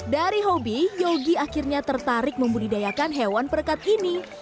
dari hobi yogi akhirnya tertarik membudidayakan hewan perekat ini